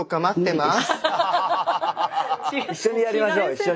一緒にやりましょう一緒に。